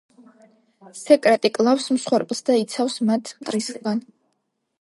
სეკრეტი კლავს მსხვერპლს და იცავს მათ მტრისაგან.